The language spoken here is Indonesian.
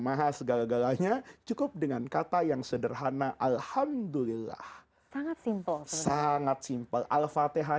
mahasgalanya cukup dengan kata yang sederhana alhamdulillah sangat simpel sangat simpel al fatihah